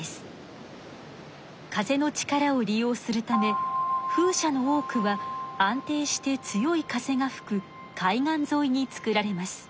風の力を利用するため風車の多くは安定して強い風がふく海岸ぞいに作られます。